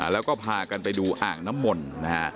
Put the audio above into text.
แล้วก็พากันไปดูอ่างน้ำมน